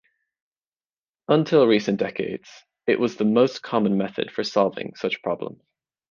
Until recent decades, it was the most common method for solving such problems.